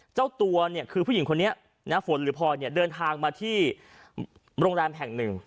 เจ้าตัวคือผู้หญิงคนนี้ฝนหรือพลอยเดินทางมาที่โรงแรมแห่งหนึ่ง